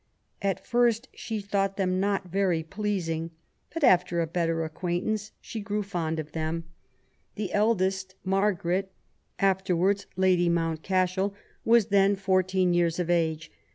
At first she thought them not very pleasing^ but after a better acquaintance she grew fond of them. The eldest, Margaret, afterwards Lady Mountcashel^ LIFE AS GOVERNESS. 55 was then fourteen years of age.